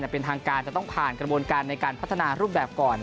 เป็นทางการจะต้องผ่านกระบวนการในการพัฒนารูปแบบก่อน